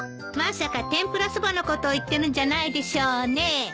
まさか天ぷらそばのこと言ってるんじゃないでしょうね。